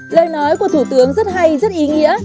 lời nói của thủ tướng rất hay rất ý nghĩa